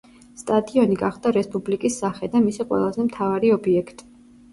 სტადიონი გახდა რესპუბლიკის სახე და მისი ყველაზე მთავარი ობიექტი.